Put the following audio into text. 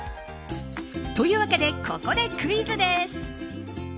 というわけで、ここでクイズです。